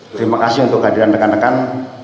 terima kasih untuk kehadiran rekan rekan